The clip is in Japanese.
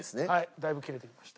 だいぶ切れてきました。